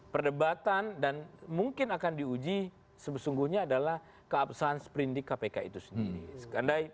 perdebatan dan mungkin akan diuji sesungguhnya adalah keabsahan sprindik kpk itu sendiri